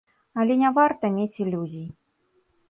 Але не варта мець ілюзій.